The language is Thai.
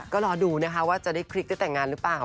ก็รอดูนะคะว่าจะได้คลิกได้แต่งงานหรือเปล่า